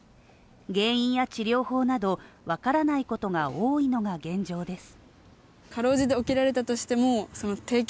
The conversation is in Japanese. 原因や治療法などわからないことが多いのが現状です。